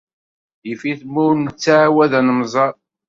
Yif-it ma ur nettɛawad ad nemẓer.